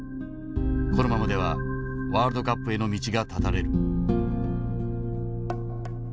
このままではワールドカップへの道が断たれる。